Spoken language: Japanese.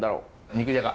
肉じゃが！